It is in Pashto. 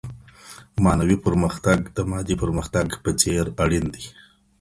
معنوي پرمختګ د مادي پرمختګ په څېر اړين دی.